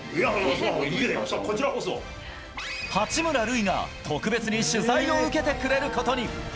八村塁が、特別に取材を受けてくれることに。